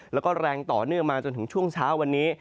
แล้วก็แรงต่อเนื่องมาจนถึงช่วงเช้าวันนี้